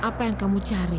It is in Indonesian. apa yang kamu cari